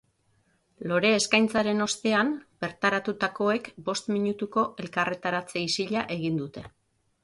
Lore eskaintzaren ostean, bertaratutakoek bost minutuko elkarretaratze isila egin dute.